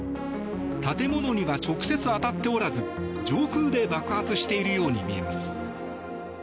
建物には直接当たっておらず上空で爆発しているように見えます。